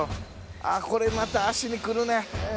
あっこれまた足にくるね。